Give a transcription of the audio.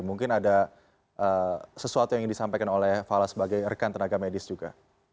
mungkin ada sesuatu yang disampaikan oleh fala sebagai rekan tenaga medis juga